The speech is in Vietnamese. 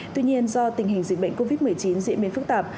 tuy nhiên do tình hình dịch bệnh covid một mươi chín diễn biến phức tạp